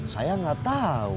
saya gak tahu